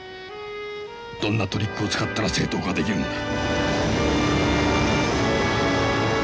どんなトリックを使ったら正当化できるんだ。